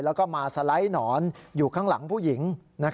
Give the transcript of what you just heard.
แล้วก็มาสไลด์หนอนอยู่ข้างหลังผู้หญิง